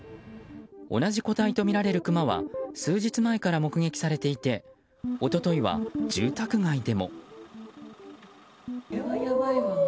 同じ個体とみられるクマは数日前から目撃されていて一昨日は住宅街でも。